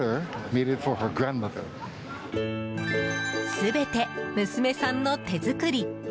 全て娘さんの手作り。